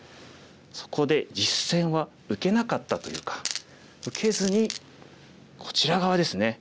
そこで実戦は受けなかったというか受けずにこちら側ですね。